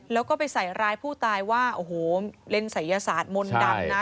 แล้วก็ไปใส่ร้ายผู้ตายว่าโอ้โหเล่นศัยศาสตร์มนต์ดำนะ